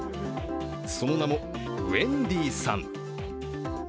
その名もウェンディさん。